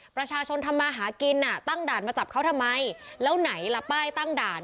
ประชาชนทำมาหากินอ่ะตั้งด่านมาจับเขาทำไมแล้วไหนล่ะป้ายตั้งด่าน